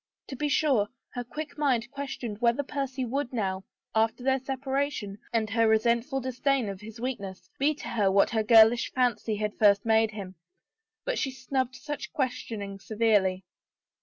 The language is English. To be sure her quick mind ques tioned whether Percy would now, after their separation and her resentful disdain of his weakness, be to her what her girlish fancy had first made him, but she snubbed such questioning severely.